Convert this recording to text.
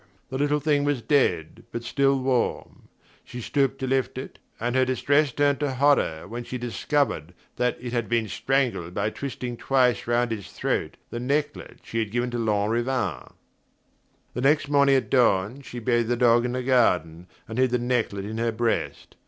The little thing was dead, but still warm; she stooped to lift it, and her distress turned to horror when she discovered that it had been strangled by twisting twice round its throat the necklet she had given to Lanrivain. The next morning at dawn she buried the dog in the garden, and hid the necklet in her breast.